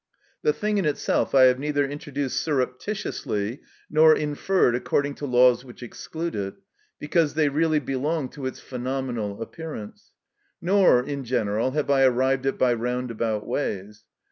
The thing in itself I have neither introduced surreptitiously nor inferred according to laws which exclude it, because they really belong to its phenomenal appearance; nor, in general, have I arrived at it by roundabout ways.